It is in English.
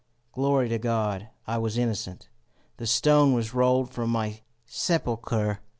Glory to God! I was innocent! The stone was rolled from my sepulchre.